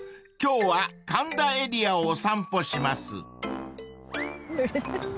［今日は神田エリアをお散歩します］